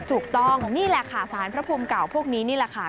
ถูกต้องนี่แหละค่ะสารพระภูมิเก่าพวกนี้นี่แหละค่ะ